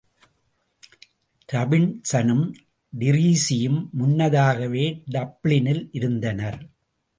ராபின்ஸனும், டிரீஸியும் முன்னதாகவே டப்ளினில் இருந்தனர்.